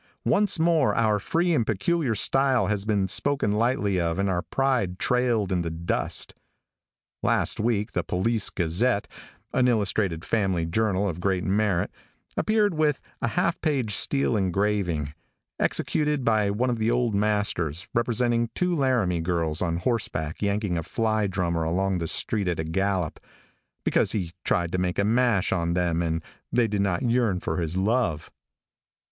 Once more our free and peculiar style has been spoken lightly of and our pride trailed in the dust. Last week the Police Gazette, an illustrated family journal of great merit, appeared with a half page steel engraving, executed by one of the old masters, representing two Laramie girls on horseback yanking a fly drummer along the street at a gallop, because he tried to make a mash on them and they did not yearn for his love.